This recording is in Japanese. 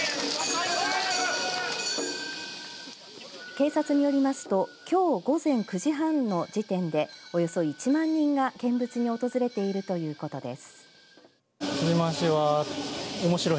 警察によりますときょう午前９時半の時点でおよそ１万人が見物に訪れているということです。